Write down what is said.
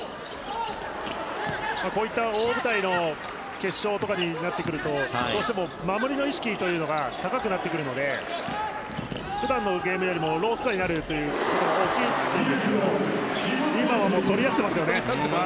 こういった大舞台の決勝とかになってくるとどうしても守りの意識というのが高くなってくるので普段のゲームよりもロースコアになるということが起きるんですけど今は取り合ってますよね。